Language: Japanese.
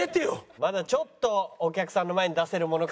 まだちょっとお客さんの前に出せるものか。